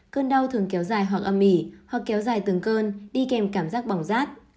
cơn đau thường kéo dài hoặc âm mỉ hoặc kéo dài từng cơn đi kèm cảm giác bỏng rát